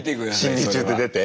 審議中って出て？